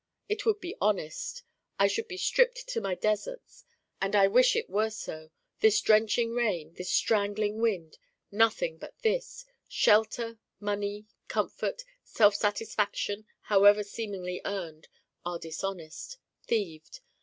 It would be honest: I should be stripped to my deserts. And I wish it were so this drenching rain, this strangling wind nothing but this shelter, money, comfort, self satisfaction, however seemingly earned, are dishonest thieved.